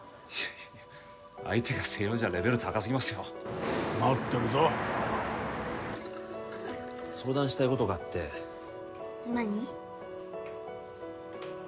いやいや相手が星葉じゃレベル高すぎますよ待ってるぞ相談したいことがあって何？